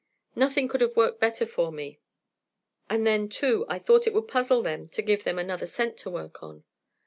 Nothing could have worked better for me; and then, too, I thought it would puzzle them to give them another scent to work on.